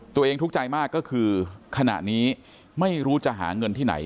ตัวเองทุกข์ใจมากก็คือขณะนี้ไม่รู้จะหาเงินที่ไหน